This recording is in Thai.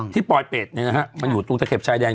ปลอยเป็ดมันอยู่ตรงตะเข็บชายแดน